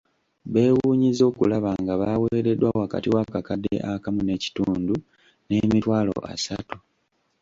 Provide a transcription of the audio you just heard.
Beewunyizza okulaba nga baaweereddwa wakati w'akakadde akamu n'ekitundu n'emitwalo asatu.